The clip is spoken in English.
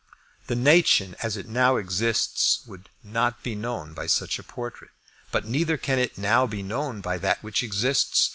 The nation as it now exists would not be known by such a portrait; but neither can it now be known by that which exists.